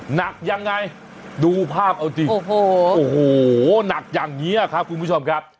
หนักยังไงดูภาพเอาจริงโอ้โหหนักอย่างนี้ครับคุณผู้ชมครับ